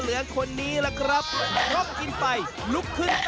แต่ว่าแต่ละคนเนี่ยไม่รู้ว่าตั้งใจมาแข่งกันจริงหรือเปล่านะ